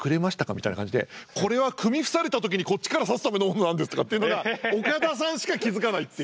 みたいな感じで「これは組み伏された時にこっちから刺すためのものなんです」とかっていうのが岡田さんしか気付かないっていう。